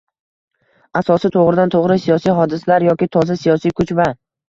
asosi to‘g‘ridan-to‘g‘ri siyosiy hodisalar yoki toza siyosiy kuch va